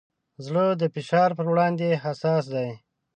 زړه د فشار پر وړاندې حساس دی.